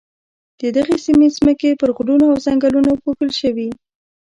د دغې سیمې ځمکې پر غرونو او ځنګلونو پوښل شوې.